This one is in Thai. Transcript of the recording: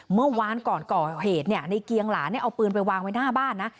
เมื่อวานก่อนก่อเหตุเนี่ยในเกียงหลานเอาปืนไปวางไว้หน้าบ้านนะ